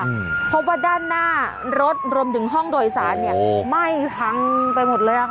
เพราะว่าด้านหน้ารถรวมถึงห้องโดยสารเนี้ยไหม้พังไปหมดเลยอ่ะค่ะ